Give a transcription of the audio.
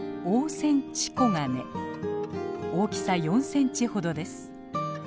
大きさ４センチほどです。